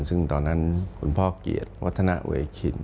ซึ่งตอนนั้นของคุณพ่อเกียรติวัฒณาเวรสมกฏ